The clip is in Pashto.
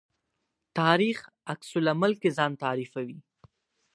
تاریخ عکس العمل کې ځان تعریفوي.